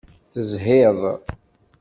Tezhiḍ.